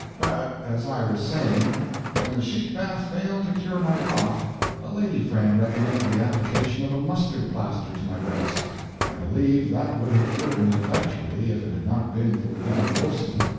But, as I was saying, when the sheet bath failed to cure my cough, a lady friend recommended the application of a mustard plaster to my breast. I believe that would have cured me effectually, if it had not been for young Wilson.